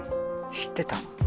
知ってた。